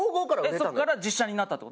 そこから実写になったって事？